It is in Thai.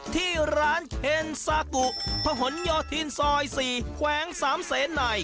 ที่ร้านเคนซากุพะหนโยธินซอย๔แขวง๓เสนใน